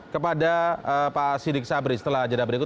kepada pak siddiq sabri setelah jadwal berikut